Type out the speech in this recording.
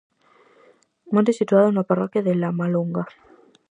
Monte situado na parroquia de Lamalonga.